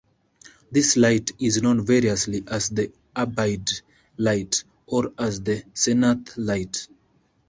This "Light" is known variously as the "Arbyrd Light" or as the "Senath Light.